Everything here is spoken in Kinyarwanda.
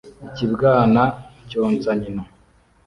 Ikibwana cyonsa nyina